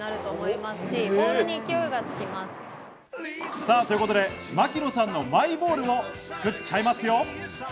さぁ、ということで、槙野さんのマイボールを作っちゃいますよ！